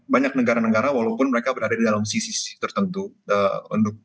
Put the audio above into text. banyak negara negara walaupun mereka berada di dalam sisi tertentu mendukung israel atau mendukung iran